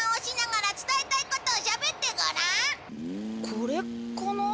これかな？